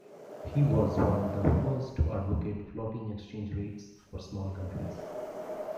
He was one of the first to advocate floating exchange rates for small countries.